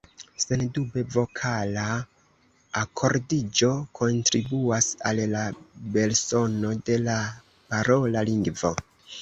Sendube vokala akordiĝo kontribuas al la belsono de la parola lingvo.